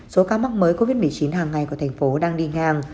số ca mắc mới covid một mươi chín hàng ngày của thành phố đang đi ngang